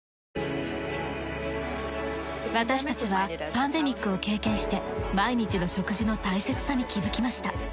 私たちはパンデミックを経験して毎日の食事の大切さに気づきました。